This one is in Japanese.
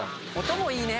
音もいいね。